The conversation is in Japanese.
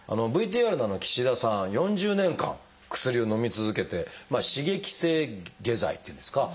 ＶＴＲの岸田さん４０年間薬をのみ続けて刺激性下剤っていうんですか。